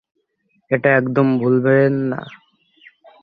ওটা একদম ভুলবে না।